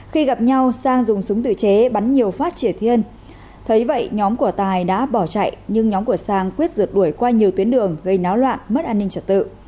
khi gặp nhau sang dùng súng tự chế bắn nhiều phát triển thiên thấy vậy nhóm của tài đã bỏ chạy nhưng nhóm của sang quyết rượt đuổi qua nhiều tuyến đường gây náo loạn mất an ninh trật tự